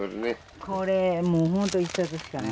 これもうほんと１冊しかない。